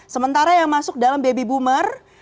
sementara yang masuk dalam baby boomer